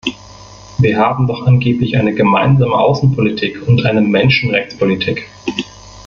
Wir haben doch angeblich eine gemeinsame Außenpolitik und eine Menschenrechtspolitik.